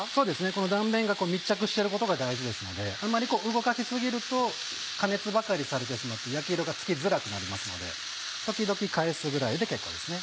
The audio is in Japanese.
この断面が密着してることが大事ですのであんまり動かし過ぎると加熱ばかりされてしまって焼き色がつきづらくなりますので時々返すぐらいで結構ですね。